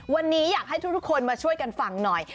วันนี้อยากให้ทุกคนมาช่วยกันฟังหน่อย